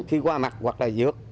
khi qua mặt hoặc là dược